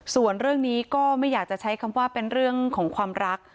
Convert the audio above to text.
ส่วนเรื่องนี้ก็ไม่อยากจะใช้คำว่าเป็นเรื่องของความรัก